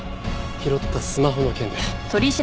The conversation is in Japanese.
拾ったスマホの件で。